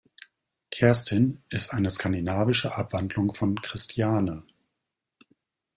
Kerstin ist eine skandinavische Abwandlung von Christiane.